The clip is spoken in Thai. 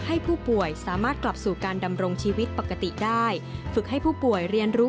ให้ผู้ป่วยสามารถกลับสู่การดำรงชีวิตปกติได้